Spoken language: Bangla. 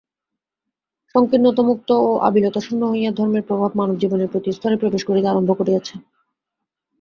সঙ্কীর্ণতামুক্ত ও আবিলতাশূন্য হইয়া ধর্মের প্রভাব মানব-জীবনের প্রতি স্তরে প্রবেশ করিতে আরম্ভ করিয়াছে।